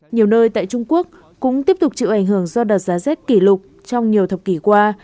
nhiều nơi tại trung quốc cũng tiếp tục chịu ảnh hưởng do đợt giá rét kỷ lục trong nhiều thập kỷ qua